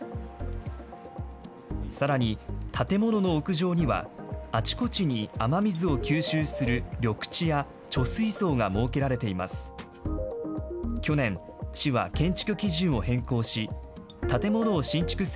さらに建物の屋上には、あちこちに雨水を吸収する緑地や貯水槽が設けられています。